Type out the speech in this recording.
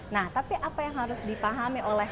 nah tapi apa yang harus dipahami oleh